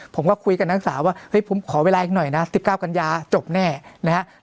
ผมก็คุยกับนักศึกษาว่าเฮ้ยผมขอเวลาอีกหน่อยนะ๑๙กันยาจบแน่นะครับ